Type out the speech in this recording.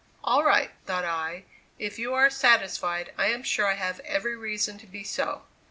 "All right," thought I; "if you are satisfied I am sure I have every reason to be so."